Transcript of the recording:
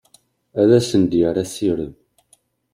Ad asen-d-yerr asirem.